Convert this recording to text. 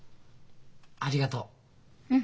ありがとう。